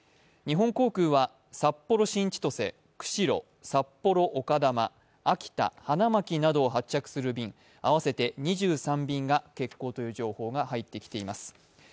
日本航空は札幌新千歳、釧路札幌丘珠、秋田、花巻などを発着する便合わせて２３便が欠航という情報が入ってきています。